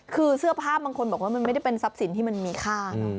คือเสื้อผ้าบางคนบอกว่ามันไม่ได้เป็นทรัพย์สินที่มันมีค่า